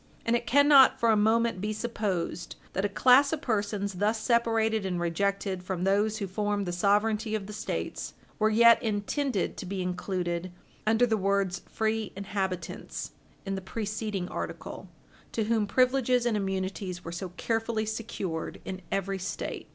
And it cannot for a moment be supposed that a class of Page 60 U. S. 419 persons thus separated and rejected from those who formed the sovereignty of the States, were yet intended to be included under the words "free inhabitants," in the preceding article, to whom privileges and immunities were so carefully secured in every State.